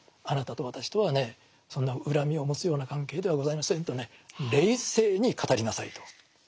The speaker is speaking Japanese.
あなたと私とはねそんな恨みを持つような関係ではございませんとね冷静に語りなさいと。